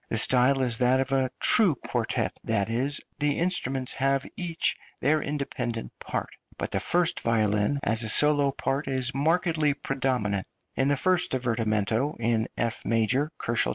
The style is that of a true quartet, that is, the instruments have each their independent part, but the first violin, as a solo part, is markedly predominant; in the first divertimento, in F major (247 K.)